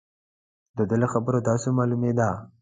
د ده له خبرو داسې معلومېده.